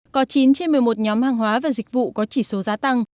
có chín trên một mươi một nhóm hàng hóa và dịch vụ có chỉ số giá tăng